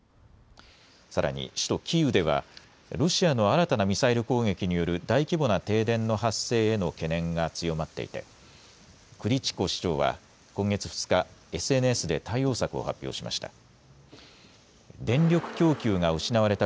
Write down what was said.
さらに首都キーウではロシアの新たなミサイル攻撃による大規模な停電の発生への懸念が強まっていてクリチコ市長は今月２日、ＳＮＳで対応策を発表しました。